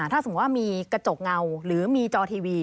ถ้าสมมุติว่ามีกระจกเงาหรือมีจอทีวี